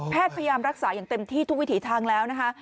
พยายามรักษาอย่างเต็มที่ทุกวิถีทางแล้วนะคะ